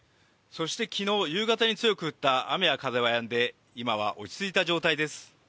そして昨日夕方に強く降った雨や風はやんで今は落ち着いた状態です。